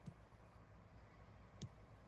د افغان ځواکونو لارښوونه وشوه.